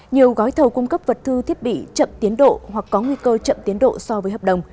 nhiều gói thầu cung cấp vật thư thiết bị chậm tiến độ hoặc có nguy cơ chậm tiến độ so với hợp đồng